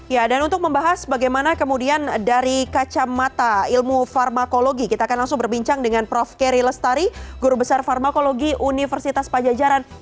ya dan untuk membahas bagaimana kemudian dari kacamata ilmu farmakologi kita akan langsung berbincang dengan prof keri lestari guru besar farmakologi universitas pajajaran